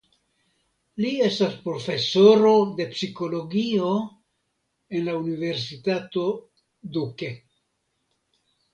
Li estas profesoro de psikologio en la Universitato Duke.